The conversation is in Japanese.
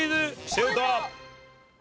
シュート！